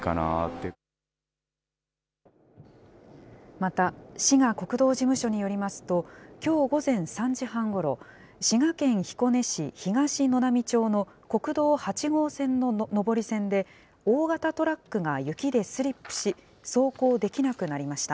また、滋賀国道事務所によりますと、きょう午前３時半ごろ、滋賀県彦根市東沼波町の国道８号線の上り線で、大型トラックが雪でスリップし、走行できなくなりました。